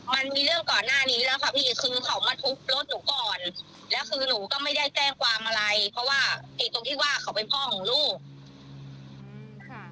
มันมีเรื่องก่อนหน้านี้แล้วค่ะพี่คือเขามาทุบรถหนูก่อนแล้วคือหนูก็ไม่ได้แจ้งความอะไรเพราะว่าติดตรงที่ว่าเขาเป็นพ่อของลูกค่ะ